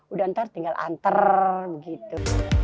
udah ntar tinggal anter begitu